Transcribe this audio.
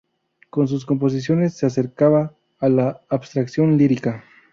Con sus composiciones se acercaba a la abstracción lírica.